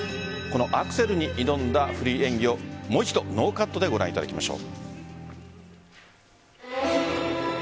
アクセルに挑んだフリー演技をもう一度ノーカットでご覧いただきましょう。